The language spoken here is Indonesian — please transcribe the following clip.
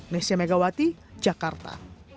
nesya megawati jakarta